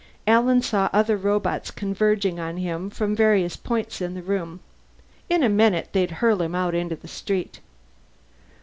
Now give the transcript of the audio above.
Alan saw other robots converging on him from various points in the room. In a minute they'd hurl him out into the street.